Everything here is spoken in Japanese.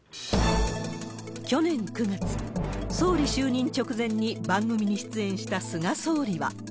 去年９月、総理就任直前に番組に出演した菅総理は。